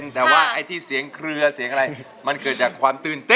แต่ว่าเสียงเครือมันเกิดจากความตื่นเต้น